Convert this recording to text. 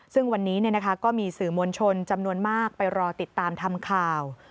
ซึ่งวันนี้ก็มีสื่อมวลชนจำนวนมากไปรอติดตามทำข่าว